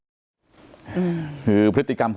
เป็นวันที่๑๕ธนวาคมแต่คุณผู้ชมค่ะกลายเป็นวันที่๑๕ธนวาคม